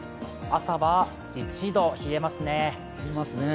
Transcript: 朝は１度、冷えますね。